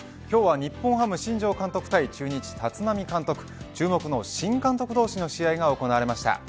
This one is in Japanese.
今日は日本ハム、新庄監督対中日、立浪監督注目の新監督同士の試合が行われました。